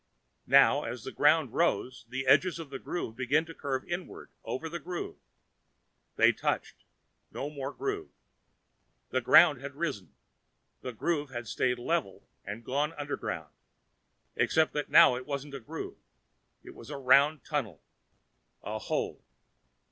Now, as the ground rose, the edges of the groove began to curve inward over the groove. They touched. No more groove. The ground had risen, the groove had stayed level and gone underground. Except that now it wasn't a groove. It was a round tunnel. A hole.